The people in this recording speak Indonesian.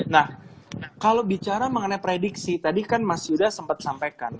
nah kalau bicara mengenai prediksi tadi kan mas yuda sempat sampaikan